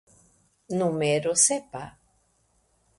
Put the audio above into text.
Numero sepa.